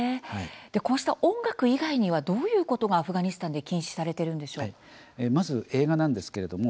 こうした音楽以外にはどういうことがアフガニスタンでは禁止されているんでしょうか。